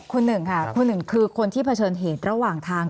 คุณหนึ่งคือคนที่เผชิญเหตุระหว่างทาง